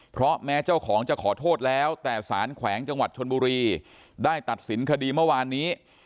เพราะแม้เจ้าของจะขอโทษแล้วแต่สารแขวงจังหวัดชนบุรีได้ตัดสินคดีเมื่อวานนี้